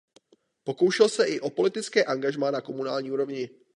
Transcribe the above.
Pokoušel se i o politické angažmá na komunální úrovni.